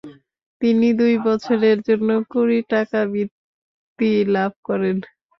তিনি দুই বছরের জন্য কুড়ি টাকা বৃত্তি লাভ করেন।